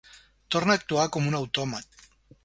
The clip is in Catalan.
Torna a actuar com un autòmat.